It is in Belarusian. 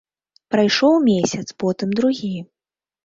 Прайшоў месяц, потым другі.